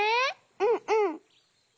うんうん。